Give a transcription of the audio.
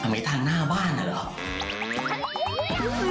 ไม่ทางหน้าบ้านอ่ะเหรอ